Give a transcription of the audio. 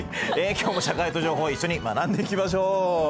今日も「社会と情報」一緒に学んでいきましょう。